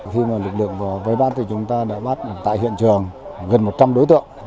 khi mà lực lượng vây bắt thì chúng ta đã bắt tại hiện trường gần một trăm linh đối tượng